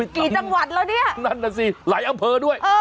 กี่จังหวัดแล้วเนี่ยนั่นน่ะสิหลายอำเภอด้วย